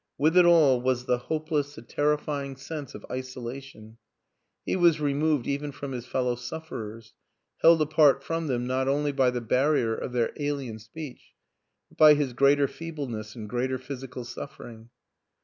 With it all was the hopeless, the terrifying sense of isolation; he was removed even from his fellow sufferers, held apart from them not only by the barrier of their alien speech but by his greater feebleness and greater physical suffering.